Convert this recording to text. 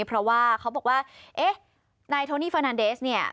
เพราะว่าเขาบอกว่าไอ้นายโทนีเฟอร์นันเดส